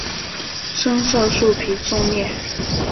深色树皮纵裂。